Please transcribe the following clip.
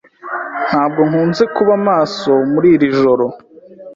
Ntabwo nkunze kuba maso muri iri joro.